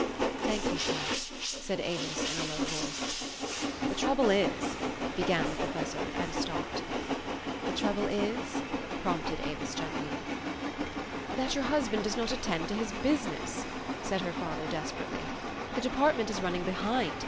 " Thank you, sir !" said Avis in a low voice. "The trouble is" began the professor, and stopped. '' The trouble is ?" prompted Avis gently. '' That your husband does not attend to his busi ness," said her father desperately. "The depart ment is running behind.